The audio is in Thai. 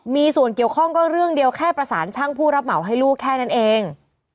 มีส่วนเกี่ยวข้องก็เรื่องเดียวแค่ประสานช่างผู้รับเหมาให้ลูกแค่นั้นเอง